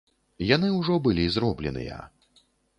Яны ўжо былі зробленыя.